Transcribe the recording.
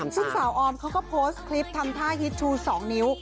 ซึ่งสาวออมเขาก็โพสต์คลิปทำท่าฮิตชู๒นิ้ว